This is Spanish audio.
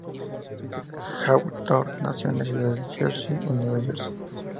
Hawthorne nació en la ciudad de Jersey en New Jersey.